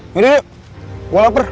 ya udah yuk gue lapar